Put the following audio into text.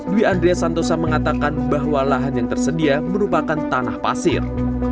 dwi andreas santosa mengatakan bahwa lahan yang tersedia merupakan tanah pasir